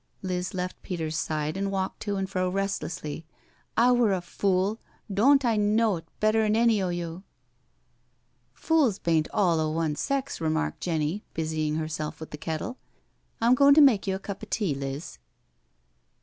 Liz left Peter's side and walked to and fro restlessly. " I wur a fool — doant I know't better'n any o* you I" " Fools baint all o' one sex," remarked Jenny, busy ing herself with the kettle. " I'm goin' to mak' you a cup o' tea, Liz."